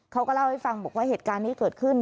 เขาก็เล่าให้ฟังบอกว่าเหตุการณ์นี้เกิดขึ้น